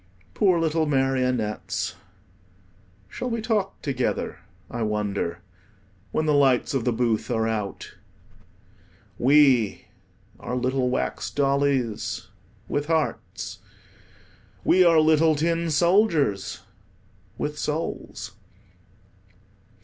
Poor little marionettes, shall we talk together, I wonder, when the lights of the booth are out? We are little wax dollies with hearts. We are little tin soldiers with souls.